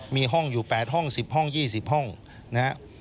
มีห้องอยู่๘ห้อง๑๐ห้อง๒๐ห้องนะครับ